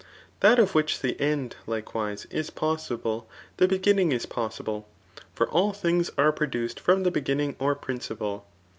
That of which the end, l&ewise, is possibly die beginning is possible ; for all things are produced from the beginning or principle.